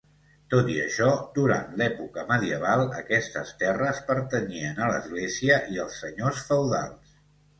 Tot i això, durant l'època medieval, aquestes terres pertanyien a l'Església i als senyors feudals.